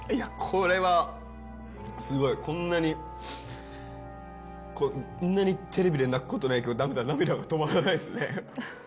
これはすごいこんなにこんなにテレビで泣くことないけどダメだ涙が止まらないっすね